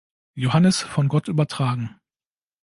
Johannes von Gott übertragen.